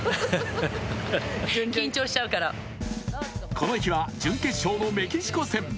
この日は準決勝のメキシコ戦。